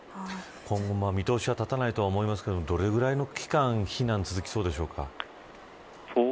今後も見通しは立たないと思いますが、どれくらいの期間避難が続きそうでしょうか。